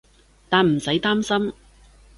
但唔使擔心